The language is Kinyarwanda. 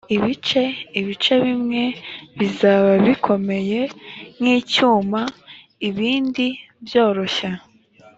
ibice ibice bimwe bizaba bikomeye nk icyuma ibindi byoroshye